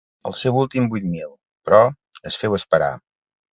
El seu últim vuit mil, però, es féu esperar.